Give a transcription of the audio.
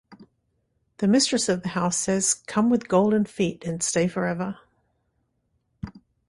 The mistress of the house says "come with golden feet and stay forever."